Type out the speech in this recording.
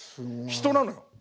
人なのよ